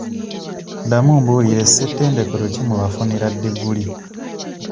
Ddamu ombuulire ssettendekero ki mwe wafunira ddiguli?